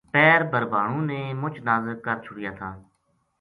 پیر بھربھانو نے مُچ نازک کر چھُڑیا تھا